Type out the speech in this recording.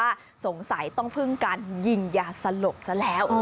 ทุกหน้าที่ก็ประชุมสรุปกันว่าสงสัยต้องพึ่งกันยิงยาสลบซะแล้ว